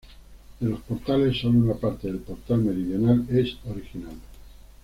De los portales, sólo una parte del portal meridional es original.